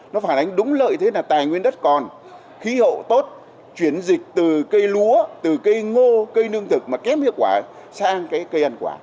nó phản ánh đúng lợi thế là tài nguyên đất còn khí hậu tốt chuyển dịch từ cây lúa từ cây ngô cây nương thực mà kém hiệu quả sang cây ăn quả